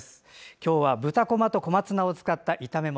今日は豚こまと小松菜を使った炒め物。